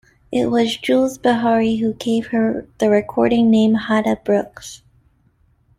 It was Jules Bihari who gave her the recording name Hadda Brooks.